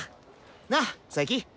なっ佐伯！